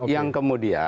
yang kemudian dikuatkan